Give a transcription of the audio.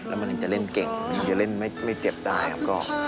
แล้วมันถึงจะเล่นเก่งจะเล่นไม่เจ็บได้ครับ